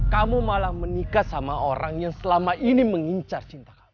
kamu malah menikah sama orang yang selama ini mengincar cinta kamu